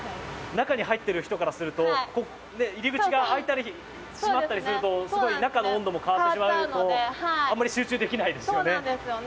中に入ってる人からすると入り口が開いたり閉まったりするとすごい中の温度も変わってしまうとあんまり集中できないですよね。